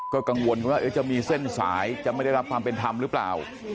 ก็กังวลว่าจะมีเส้นสายจะไม่ได้รับความเป็นธรรมหรือเปล่า